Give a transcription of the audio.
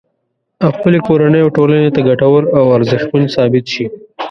او خپلې کورنۍ او ټولنې ته ګټور او ارزښتمن ثابت شي